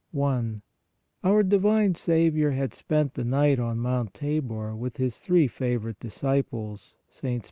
i. Our divine Saviour had spent the night on Mount Thabor with His three favorite disciples, Sts.